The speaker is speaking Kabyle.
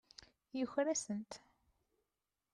Yuker-asent.